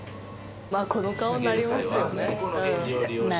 まあこの顔になりますよね